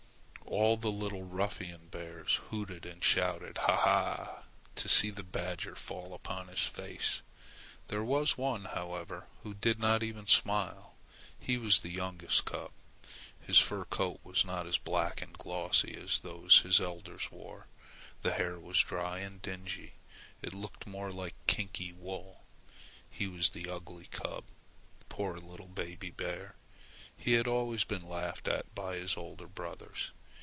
All the little ruffian bears hooted and shouted "ha ha!" to see the beggar fall upon his face. There was one, however, who did not even smile. He was the youngest cub. His fur coat was not as black and glossy as those his elders wore. The hair was dry and dingy. It looked much more like kinky wool. He was the ugly cub. Poor little baby bear! he had always been laughed at by his older brothers.